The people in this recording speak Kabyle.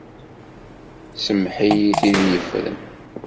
Semmeḥ-iyi tid yeffren.